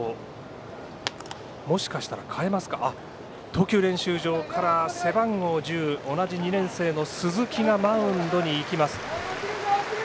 投球練習場から背番号１０同じ２年生の鈴木がマウンドに行きます。